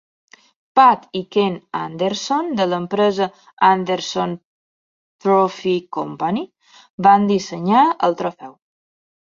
Pat i Ken Anderson, de l'empresa Anderson Trophy Company, van dissenyar el trofeu.